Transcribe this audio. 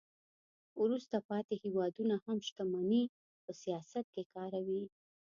وروسته پاتې هیوادونه هم شتمني په سیاست کې کاروي